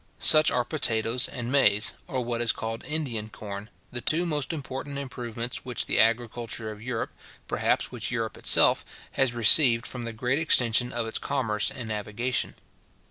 Such are potatoes and maize, or what is called Indian corn, the two most important improvements which the agriculture of Europe, perhaps, which Europe itself, has received from the great extension of its commerce and navigation.